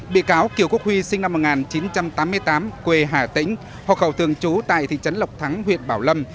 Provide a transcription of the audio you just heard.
bị cáo kiều quốc huy sinh năm một nghìn chín trăm tám mươi tám quê hà tĩnh hộ khẩu thường trú tại thị trấn lộc thắng huyện bảo lâm